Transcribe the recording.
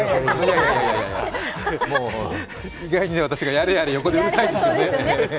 いやいや、もう私がやれやれ横でうるさいんですよね。